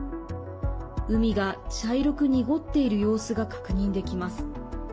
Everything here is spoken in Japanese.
海が茶色く濁っている様子が確認できます。